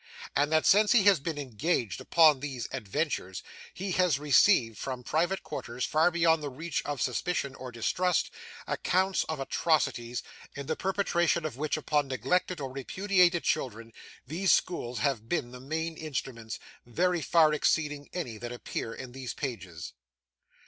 And that, since he has been engaged upon these Adventures, he has received, from private quarters far beyond the reach of suspicion or distrust, accounts of atrocities, in the perpetration of which upon neglected or repudiated children, these schools have been the main instruments, very far exceeding any that appear in these pages."